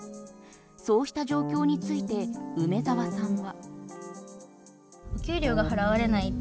そうした状況について梅澤さんは。